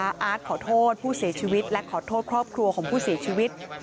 อาร์ตขอโทษผู้เสียชีวิตและขอโทษครอบครัวของผู้เสียชีวิต